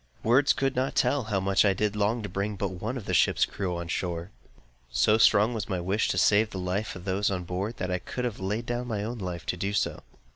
Words could not tell how much I did long to bring but one of the ship's crew to the shore! So strong was my wish to save the life of those on board, that I could have laid down my own life to do so.